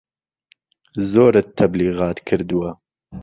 زۆرت تەبلیغات کردوە